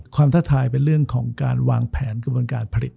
ท้าทายเป็นเรื่องของการวางแผนกระบวนการผลิต